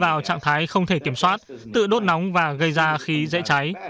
đó là một trạng thái không thể kiểm soát tự đốt nóng và gây ra khí dễ cháy